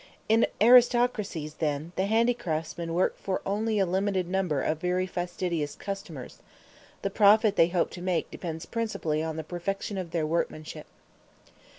In aristocracies, then, the handicraftsmen work for only a limited number of very fastidious customers: the profit they hope to make depends principally on the perfection of their workmanship.